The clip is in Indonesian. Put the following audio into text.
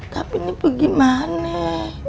tapi ini pergi mana